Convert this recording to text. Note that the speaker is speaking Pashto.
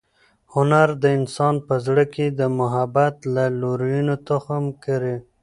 هنر د انسان په زړه کې د محبت او لورینې تخم کري.